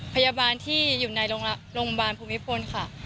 พยาบาลที่อยู่ในโรงพยาบาลภูมิพลค่ะ